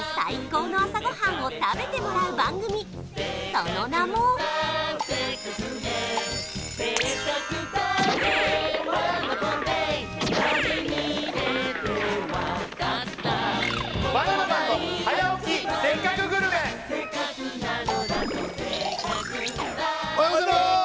その名もおはようございます！